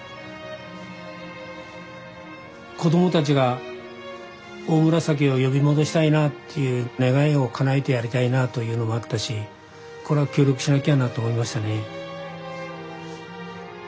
子供たちがオオムラサキを呼び戻したいなっていう願いを叶えてやりたいなというのもあったしこれは協力しなきゃなと思いましたね。